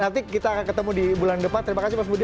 nanti kita akan ketemu di bulan depan terima kasih mas budi